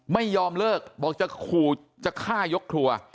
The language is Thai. ไม่ยอมเลิกบอกจะฆ่ายกครัว